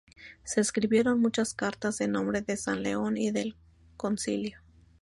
Se escribieron muchas cartas en nombre de San León y del Concilio.